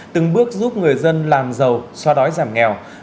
từng bước giúp người dân làm giàu xoa đói giảm nghèo